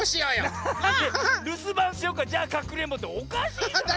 るすばんしようかじゃあかくれんぼっておかしいじゃないの！